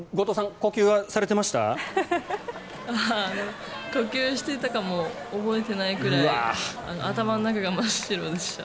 呼吸していたかも覚えてないぐらい頭の中が真っ白でした。